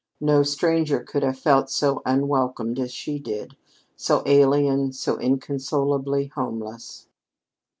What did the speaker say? No stranger could have felt so unwelcomed as she did so alien, so inconsolably homeless.